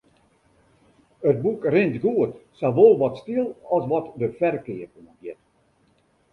It boek rint goed, sawol wat styl as wat de ferkeap oangiet.